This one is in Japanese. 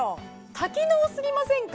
多機能すぎませんか？